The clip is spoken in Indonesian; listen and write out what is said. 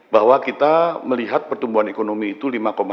bahwa kita melihat pertumbuhan ekonomi itu lima empat